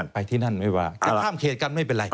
ไปที่นั่นไม่ว่าจะข้ามเขตกันไม่เป็นไร